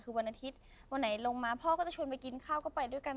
คือวันอาทิตย์วันไหนลงมาพ่อก็จะชวนไปกินข้าวก็ไปด้วยกัน